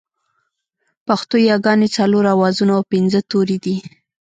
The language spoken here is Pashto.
پښتو ياگانې څلور آوازونه او پينځه توري دي